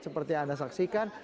seperti yang anda saksikan